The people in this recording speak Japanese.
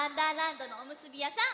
どのおむすびやさん